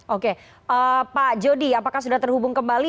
oke pak jody apakah sudah terhubung kembali